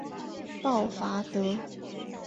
鲍戈德。